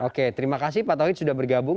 oke terima kasih pak tauhid sudah bergabung